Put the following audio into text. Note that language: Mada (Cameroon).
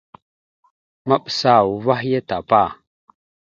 Maɓəsa uvah ya tapa.